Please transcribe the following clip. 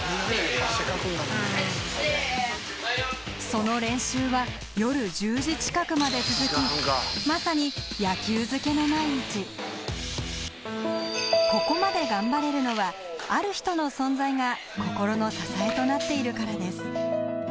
その練習は夜１０時近くまで続きまさにここまで頑張れるのはある人の存在が心の支えとなっているからです